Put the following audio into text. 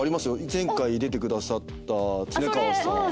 前回出てくださった恒川さん。